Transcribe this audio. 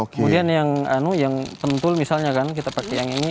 kemudian yang pentul misalnya kan kita pakai yang ini